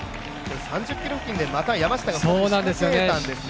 ３０ｋｍ付近でまた山下が仕掛けたんですね。